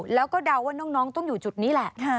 แล้วก็เดาว่าน้องต้องอยู่จุดนี้แหละ